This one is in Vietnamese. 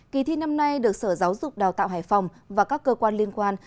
kỳ thi năm nay được sở giáo dục đào tạo hải phòng và các cơ quan liên quan